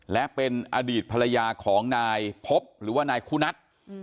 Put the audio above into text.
และเป็นอดีตภรรยาของนายพบหรือว่านายคุณัท